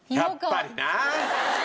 やっぱりな。